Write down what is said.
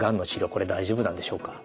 これ大丈夫なんでしょうか？